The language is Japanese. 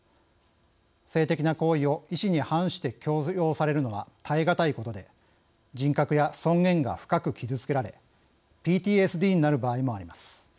性的な行為を意思に反して強要されるのは耐え難いことで人格や尊厳が深く傷つけられＰＴＳＤになる場合もあります。